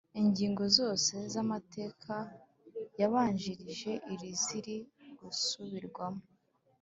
Ingingo zose z’ Amateka yabanjirije iri ziri gusubirwamo